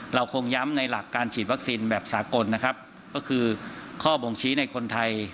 เราคงย้ำในหลักการฉีดวัคซีนแบบสากลนะครับก็คือข้อบ่งชี้ในคนไทย